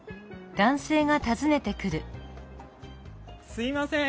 すいません！